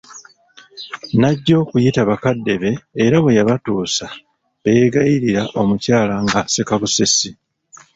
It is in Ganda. Najja okuyita bakadde be era bwe yabatuusa beegayirira omukyala nga aseka busesi.